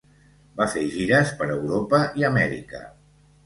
Va fer gires per Europa i Amèrica.